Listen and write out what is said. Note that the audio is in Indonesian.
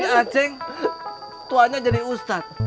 si aceng tuanya jadi ustadz